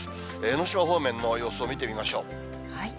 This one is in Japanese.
江の島方面の様子を見てみましょう。